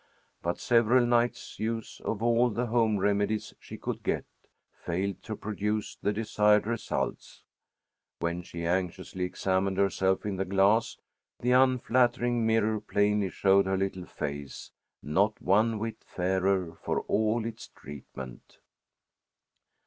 But several nights' use of all the home remedies she could get, failed to produce the desired results. When she anxiously examined herself in the glass, the unflattering mirror plainly showed her a little face, not one whit fairer for all its treatment.